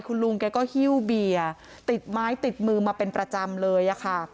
คุณลุงแกก็ฮิ้วเบียร์ติดไม้ติดมือมาเป็นประจำเลยค่ะ